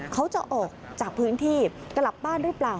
เขาจะออกจากพื้นที่กลับบ้านหรือเปล่า